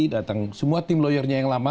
datang semua tim lawyernya yang lama